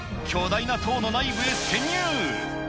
巨大な塔の内部へ潜入。